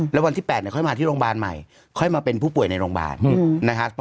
แล้ววันที่๘ค่อยมาที่โรงพยาบาลใหม่ค่อยมาเป็นผู้ป่วยในโรงพยาบาลนะครับ